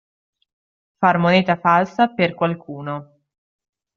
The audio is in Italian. Far moneta falsa per qualcuno.